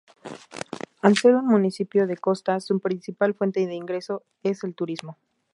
Al ser un municipio de costa, su principal fuente de ingreso es el turismo.